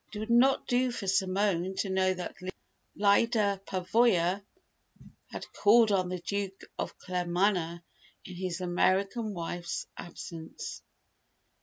It would not do for Simone to know that Lyda Pavoya had called on the Duke of Claremanagh in his American wife's absence.